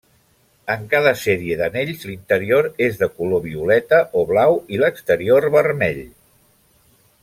En cada sèrie d’anells, l’interior és de color violeta o blau i l’exterior vermell.